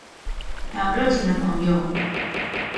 還有熱情的朋友